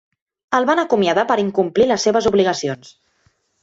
El van acomiadar per incomplir les seves obligacions.